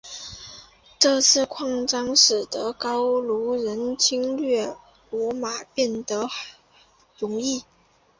这次扩张使得高卢人侵略罗马变得容易。